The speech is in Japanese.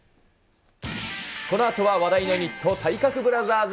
このあとは話題のユニット、体格ブラザーズ。